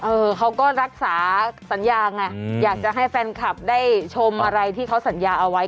เขาก็รักษาสัญญาไงอยากจะให้แฟนคลับได้ชมอะไรที่เขาสัญญาเอาไว้